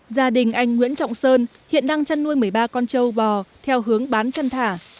gia đình anh nguyễn trọng sơn hiện đang chăn nuôi một mươi ba con trâu bò theo hướng bán chăn thả